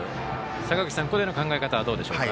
坂口さん、ここでの考え方はどうでしょうか？